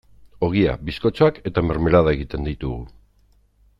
Ogia, bizkotxoak eta mermelada egiten ditugu.